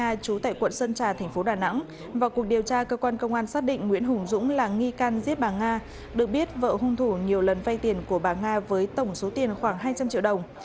trách nhiệm vụ án công an xác định nguyễn hùng dũng là nghi can giết bà nga được biết vợ hung thủ nhiều lần vây tiền của bà nga với tổng số tiền khoảng hai trăm linh triệu đồng